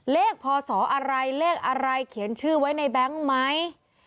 พศอะไรเลขอะไรเขียนชื่อไว้ในแบงค์ไหม